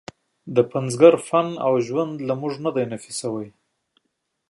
د پنځګر فن او ژوند له موږ نه دی نفي شوی.